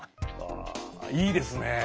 あいいですね。